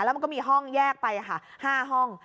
แล้วมันก็มีห้องแยกไป๕ห้อง